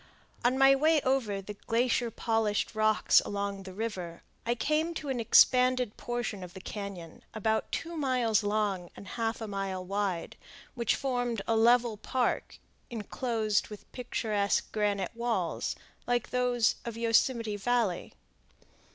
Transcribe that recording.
On my way over the glacier polished rocks along the river, I came to an expanded portion of the cañon, about two miles long and half a mile wide, which formed a level park inclosed with picturesque granite walls like those of Yosemite Valley.